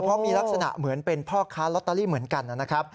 เพราะมีลักษณะเหมือนเป็นพ่อค้าลอตเตอรี่เหมือนกันนะครับ